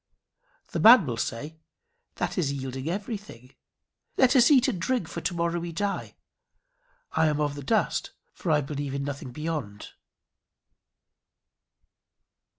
The man will say, "That is yielding everything. Let us eat and drink, for to morrow we die. I am of the dust, for I believe in nothing beyond."